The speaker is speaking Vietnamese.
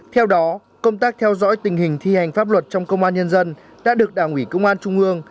theo đó công tác theo dõi tình hình thi hành pháp luật trong công an nhân dân đã được đảng ủy công an trung ương